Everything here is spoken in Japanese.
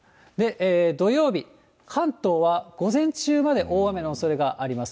土曜日、関東は午前中まで大雨のおそれがあります。